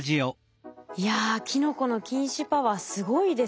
いやキノコの菌糸パワーすごいですね。